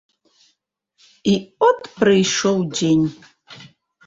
І от прыйшоў дзень.